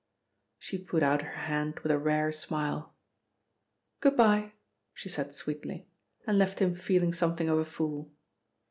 She put out her hand with a rare smile. "Good bye," she said sweetly, and left him feeling something of a fool.